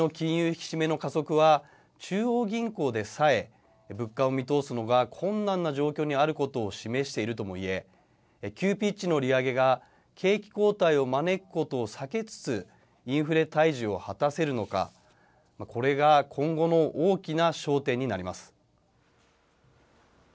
引き締めの加速は、中央銀行でさえ、物価を見通すのが困難な状況にあることを示しているともいえ、急ピッチの利上げが、景気後退を招くことを避けつつ、インフレ退治を果たせるのか、これが今後の大きな焦点になります。